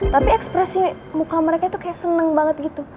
tapi ekspresi muka mereka tuh kayak seneng banget gitu